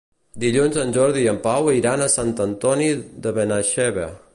Dilluns en Jordi i en Pau iran a Sant Antoni de Benaixeve.